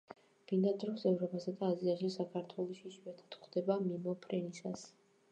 ბინადრობს ევროპასა და აზიაში; საქართველოში იშვიათად გვხვდება მიმოფრენისას.